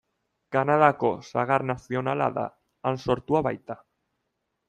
Kanadako sagar nazionala da, han sortua baita.